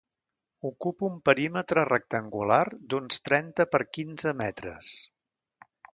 Ocupa un perímetre rectangular d'uns trenta per quinze metres.